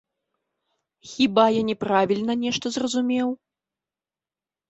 Хіба я не правільна нешта зразумеў?